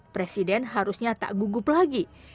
presiden harusnya tak gugup lagi